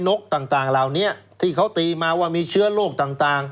นกต่างเหล่านี้ที่เขาตีมาว่ามีเชื้อโรคต่าง